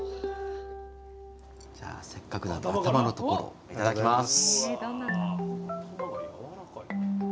じゃあせっかくだから頭のところいただきます！